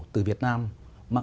từ việt nam